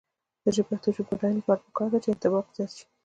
د پښتو ژبې د بډاینې لپاره پکار ده چې انطباق زیات شي.